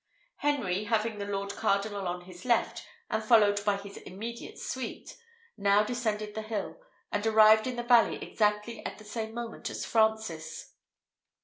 Henry, having the lord cardinal on his left, and followed by his immediate suite, now descended the hill, and arrived in the valley exactly at the same moment as Francis.